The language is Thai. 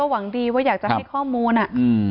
หวังดีว่าอยากจะให้ข้อมูล